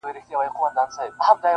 له دې مقامه دا دوه مخي په شړلو ارزي,